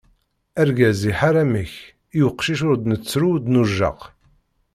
Argaz iḥar, amek, i uqcic ur d-nettru ur d-nujjaq.